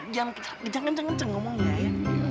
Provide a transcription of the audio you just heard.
lo tenang aja jangan kenceng kenceng ngomongnya ya